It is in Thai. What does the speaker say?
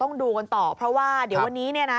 ต้องดูกันต่อเพราะว่าเดี๋ยววันนี้เนี่ยนะ